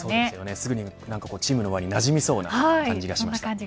すぐにチームの輪になじみそうな感じがします。